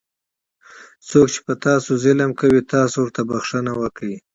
څوک چې په تاسو ظلم کوي تاسې ورته بښنه وکړئ.